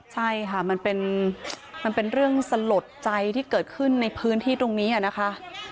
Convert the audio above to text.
ใช่ค่ะมันเป็นเรื่องสลดใจที่เกิดขึ้นในพื้นที่ตรงนี้นะคะ